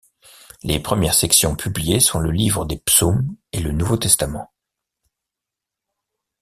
Les premières sections publiées sont le livre des Psaumes et le Nouveau Testament.